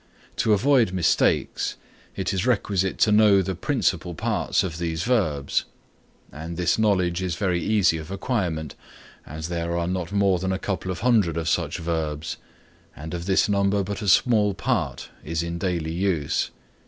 To avoid mistakes it is requisite to know the principal parts of these verbs, and this knowledge is very easy of acquirement, as there are not more than a couple of hundred of such verbs, and of this number but a small part is in daily use.